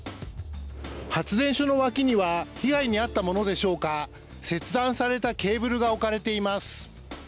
発電所の脇には被害に遭ったものでしょうか切断されたケーブルが置かれています。